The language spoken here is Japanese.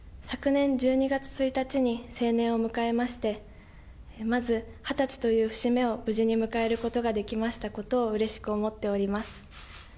昨年１２月１日に成年を迎えまして、まず２０歳という節目を無事に迎えることができましたことを、うれしく思っております。